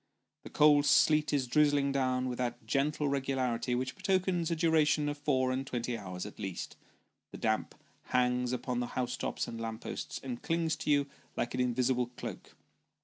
The cold sleet is drizzling down with that gentle regularity, which betokens a duration of four and twenty hours at least ; the damp hangs upon tho house tops and lamp posts, and clings to you like an invisible cloak.